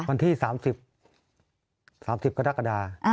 วันที่๓๐กรกฎาคม